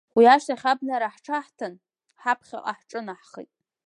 Уи ашьҭахь абнара ҳҽаҳҭан, ҳаԥхьаҟа ҳҿынаҳхеит.